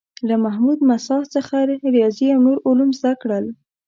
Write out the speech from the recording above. له محمود مساح څخه ریاضي او نور علوم زده کړل.